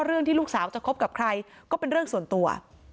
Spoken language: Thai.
เรื่องที่ลูกสาวจะคบกับใครก็เป็นเรื่องส่วนตัว